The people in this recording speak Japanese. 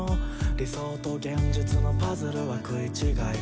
「理想と現実のパズルは食い違い」